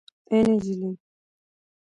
اي نجلۍ